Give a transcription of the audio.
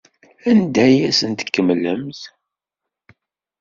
Anda ay asen-tkemmlemt?